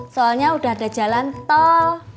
soalnya udah ada jalan tol